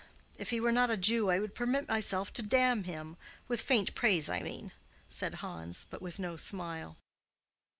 If he were not a Jew I would permit myself to damn him—with faint praise, I mean," said Hans, but with no smile.